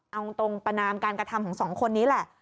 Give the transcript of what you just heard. เอาตรงประนามการกระทำของสองคนนี้แหละ